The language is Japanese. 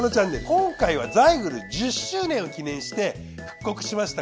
今回はザイグル１０周年を記念して復刻しました